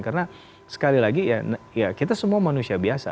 karena sekali lagi ya kita semua manusia biasa